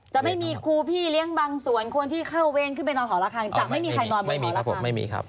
จะไม่มีครูพี่เลี้ยงบางส่วนคนที่เข้าเวรขึ้นไปนอนหอระคังจะไม่มีใครนอนไม่มีแล้วผมไม่มีครับ